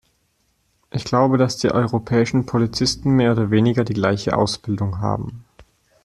Ich glaube, dass die europäischen Polizisten mehr oder weniger die gleiche Ausbildung haben.